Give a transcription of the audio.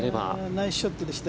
ナイスショットでした。